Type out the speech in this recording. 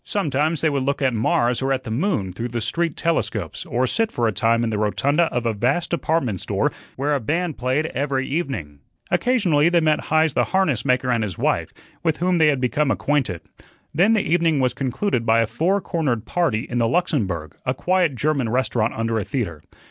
Sometimes they would look at Mars or at the moon through the street telescopes or sit for a time in the rotunda of a vast department store where a band played every evening. Occasionally they met Heise the harness maker and his wife, with whom they had become acquainted. Then the evening was concluded by a four cornered party in the Luxembourg, a quiet German restaurant under a theatre.